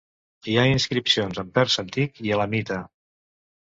Hi ha inscripcions en persa antic i elamita.